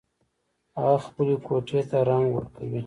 هغه خپلې کوټۍ ته رنګ ورکوي